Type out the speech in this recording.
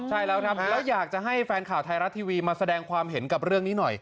ใช่แล้วครับแล้วอยากจะให้แฟนข่าวไทยรัฐทีวีมาแสดงความเห็นกับเรื่องนี้หน่อย